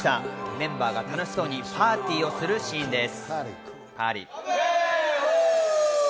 メンバーが楽しそうにパーティーをするシーンです。